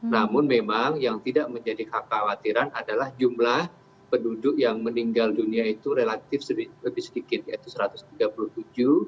namun memang yang tidak menjadi kekhawatiran adalah jumlah penduduk yang meninggal dunia itu relatif lebih sedikit yaitu satu ratus tiga puluh tujuh orang